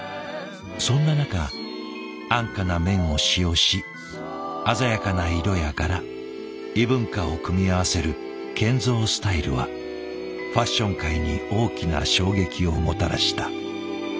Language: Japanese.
そんな中安価な綿を使用し鮮やかな色や柄異文化を組み合わせるケンゾースタイルはファッション界に大きな衝撃をもたらした。